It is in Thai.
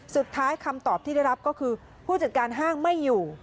คำตอบที่ได้รับก็คือผู้จัดการห้างไม่อยู่